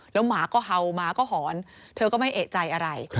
แล้วหมาก็เห่าหมาก็หอนเธอก็ไม่เอกใจอะไร